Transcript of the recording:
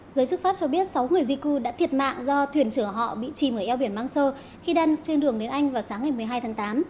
giới sức pháp cho biết sáu người di cư đã thiệt mạng do thuyền trở họ bị chìm ở eo biển mangso khi đăng trên đường đến anh vào sáng ngày một mươi hai tháng tám